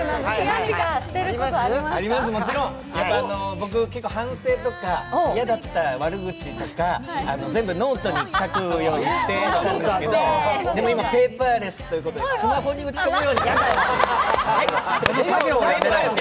僕、結構反省とか嫌だった悪口とか、全部ノートに書くようにしてたんですけど、でも今、ペーパーレスということでスマホに打ち込むようにしてます。